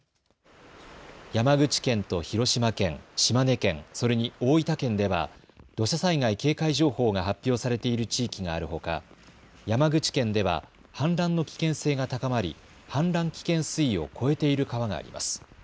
山口県と広島県、島根県、それに大分県では土砂災害警戒情報が発表されている地域があるほか、山口県では氾濫の危険性が高まり氾濫危険水位を超えている川があります。